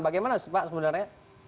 bagaimana sih pak sebenarnya